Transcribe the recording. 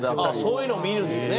そういうのを見るんですね。